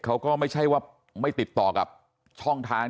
เขาก็ไม่ใช่ว่าไม่ติดต่อกับช่องทาง